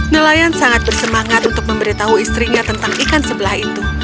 nelayan sangat bersemangat untuk memberitahu istrinya tentang ikan sebelah itu